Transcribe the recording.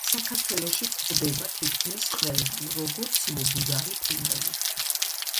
საქართველოში გვხვდება თითქმის ყველგან როგორც მობუდარი ფრინველი.